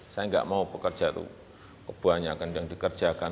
saya nggak mau pekerja itu kebanyakan yang dikerjakan